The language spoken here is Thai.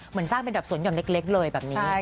เหมือนสร้างเป็นส่วนยอมเล็กเลยแบบนี้นะคะ